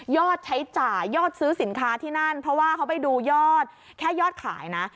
ใช้จ่ายยอดซื้อสินค้าที่นั่นเพราะว่าเขาไปดูยอดแค่ยอดขายนะ